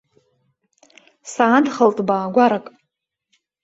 Саадхалт баагәарак.